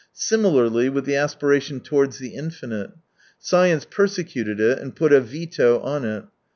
Similarly with the aspiration towards the infinite : science persecuted it and put a veto on it.